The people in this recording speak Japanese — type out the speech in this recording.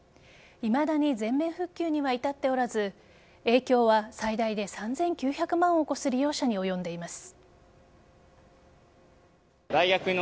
いまだに全面復旧には至っておらず影響は最大で３９００万を超す利用者に及んでいます。